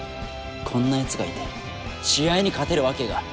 こんなやつがいて試合に勝てるわけが。